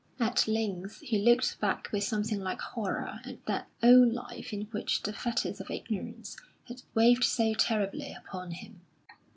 At length he looked back with something like horror at that old life in which the fetters of ignorance had weighed so terribly upon him.